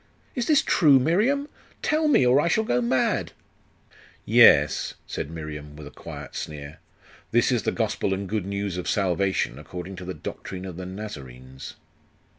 Is this true, Miriam? Tell me, or I shall go mad!' 'Yes,' said Miriam, with a quiet sneer. 'This is the gospel and good news of salvation, according to the doctrine of the Nazarenes.